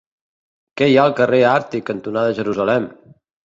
Què hi ha al carrer Àrtic cantonada Jerusalem?